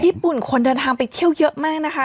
คนเดินทางไปเที่ยวเยอะมากนะคะ